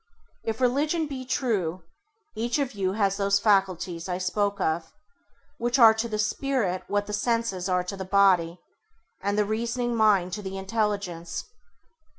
If religion be true, each of you has those faculties I spoke of, which are to the Spirit what the senses are to the body, and the reasoning mind to the intelligence.